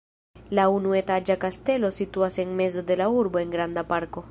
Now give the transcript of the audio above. La unuetaĝa kastelo situas en mezo de la urbo en granda parko.